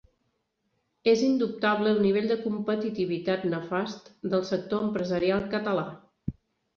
És indubtable el nivell de competitivitat nefast del sector empresarial català.